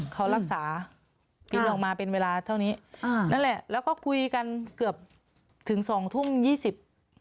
เขารักษากินออกมาเป็นเวลาเท่านี้อ่านั่นแหละแล้วก็คุยกันเกือบถึงสองทุ่มยี่สิบ